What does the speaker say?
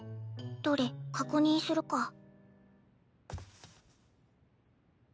どれ確認するか。